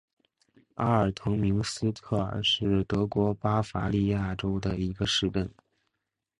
阿尔滕明斯特尔是德国巴伐利亚州的一个市镇。